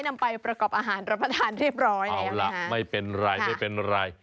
นำไปประกอบอาหารรับประทานเรียบร้อยเอาล่ะไม่เป็นไรไม่เป็นไร